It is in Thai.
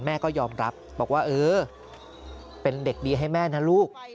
แม่ก็ยอมรับบอกว่าเออเป็นเด็กดีให้แม่นะลูก